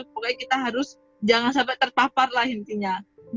pokoknya kita harus jangan sampai terpapar lah intinya